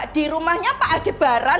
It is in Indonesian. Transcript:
di rumahnya pak adebaran